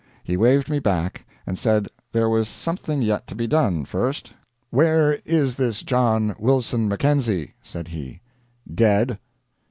He waved me back, and said there was something yet to be done first. "Where is this John Wilson Mackenzie?" said he. "Dead."